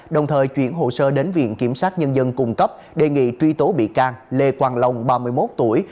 đồng thời chuyển hồ sơ đến viện kiểm sát nhân dân cung cấp đề nghị truy tố bị can lê quang long ba mươi một tuổi